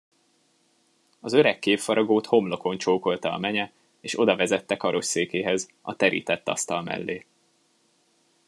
Az öreg képfaragót homlokon csókolta a menye, és odavezette karosszékéhez, a terített asztal mellé.